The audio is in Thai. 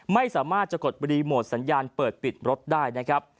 ไม่สามารถจะกดรีโมทสัญญาณเปิดปิดรถได้นะครับ